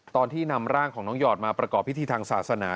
ตอนที่นำร่างของน้องหยอดมาประกอบพิธีทางศาสนา